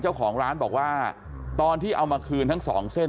เจ้าของร้านบอกว่าตอนที่เอามาคืนทั้งสองเส้น